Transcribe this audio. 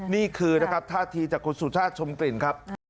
นี่คือนะครับท่าทีจากคุณสุชาติชมกลิ่นครับ